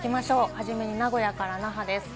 初めに名古屋から那覇です。